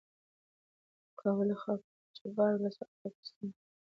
د کابل د خاکجبار ولسوالۍ خلک په سختو کارونو کې تجربه لري.